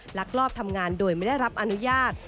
ลักลอบทำงานโดยไม่ได้รับอนุญาต